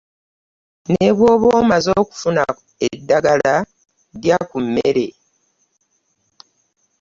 Ne bw'oba omaze okufuna eddagala lya ku mmere.